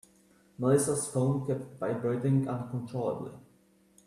Melissa's phone kept vibrating uncontrollably.